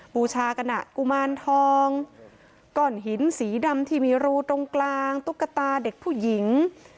บูชากันอ่ะกุมารทองก้อนหินสีดำที่มีรูตรงกลางตุ๊กตาเด็กผู้หญิง